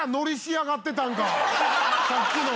さっきの。